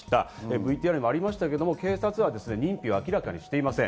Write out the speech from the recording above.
ＶＴＲにもありましたけど警察は認否を明らかにしていません。